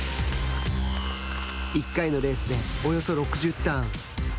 １回のレースでおよそ６０ターン。